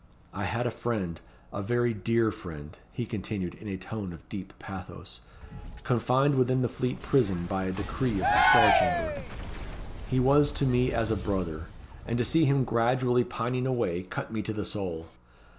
I had a friend a very dear friend," he continued, in a tone of deep pathos "confined within the Fleet Prison by a decree of the Star Chamber. He was to me as a brother, and to see him gradually pining away cut me to the soul.